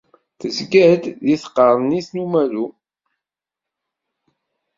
Tezga-d di tqernit n umalu.